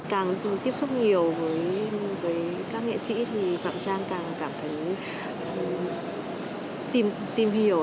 càng tiếp xúc nhiều với các nghệ sĩ thì phạm trang càng cảm thấy tìm hiểu